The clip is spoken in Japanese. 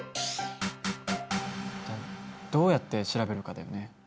どうやって調べるかだよね。